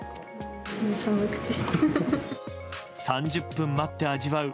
３０分待って味わう